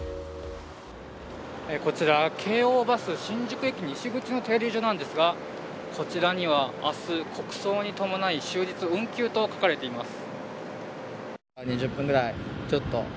こちら京王バス新宿駅西口の停留所なんですがこちらには、明日国葬に伴い終日運休と書かれています。